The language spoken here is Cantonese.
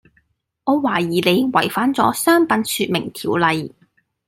我懷疑你違反咗商品説明條例